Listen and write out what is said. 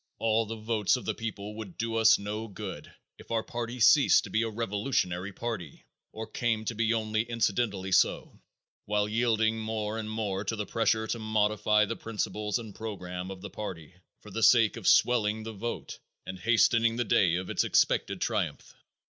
All the votes of the people would do us no good if our party ceased to be a revolutionary party, or came to be only incidentally so, while yielding more and more to the pressure to modify the principles and program of the party for the sake of swelling the vote and hastening the day of its expected triumph.